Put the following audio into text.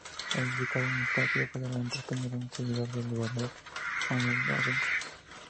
Identificado con el partido federal porteño, era un seguidor del gobernador Manuel Dorrego.